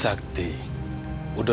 saya sudah berangkat